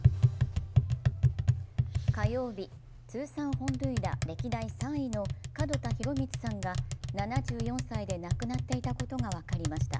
火曜日、通算本塁打歴代３位の門田博光さんが７４歳で亡くなっていたことが分かりました。